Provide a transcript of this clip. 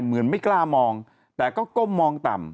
เหมือนไม่กล้ามองแต่ก็ก้มมองต่ำ